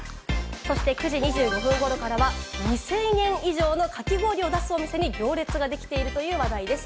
そして９時２５分頃からは２０００円以上のかき氷を出すお店に行列ができているという話題です。